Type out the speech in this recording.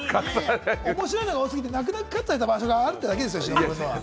面白いのが多すぎで泣く泣くカットされた場所があるってことですよ。